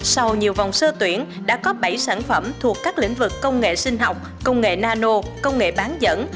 sau nhiều vòng sơ tuyển đã có bảy sản phẩm thuộc các lĩnh vực công nghệ sinh học công nghệ nano công nghệ bán dẫn